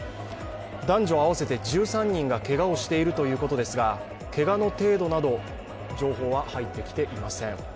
男女合わせて１３人が、けがをしているということですが、けがの程度など情報は入ってきていません。